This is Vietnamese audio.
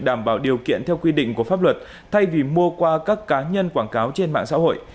đảm bảo điều kiện theo quy định của pháp luật thay vì mua qua các cá nhân quảng cáo trên mạng xã hội